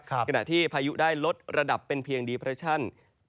ขณะที่พายุได้ลดระดับเป็นเพียงดีเรชั่น